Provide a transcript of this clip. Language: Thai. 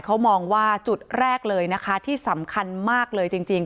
เขามองว่าจุดแรกเลยนะคะที่สำคัญมากเลยจริง